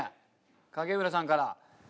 影浦さんから。